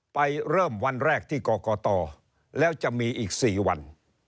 ไปเริ่มวันแรกที่กรกตแล้วจะมีอีก๔วัน